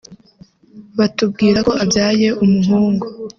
batubwira ko abyaye umuhungu